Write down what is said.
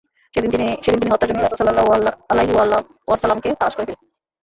সেদিন তিনি হত্যার জন্য রাসূল সাল্লাল্লাহু আলাইহি ওয়াসাল্লাম-কে তালাশ করে ফিরেন।